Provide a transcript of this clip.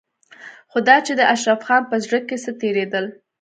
خو دا چې د اشرف خان په زړه کې څه تېرېدل.